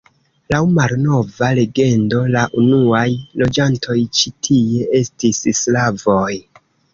Laŭ malnova legendo la unuaj loĝantoj ĉi tie estis slavoj.